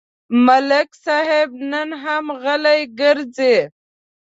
ملک صاحب نن هم غلی ګرځي.